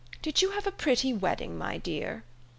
Did you have a pretty wed ding, my dear?"